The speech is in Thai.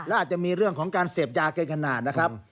และอาจจะมีเรื่องของการเสพยาเกินขนาดนะครับ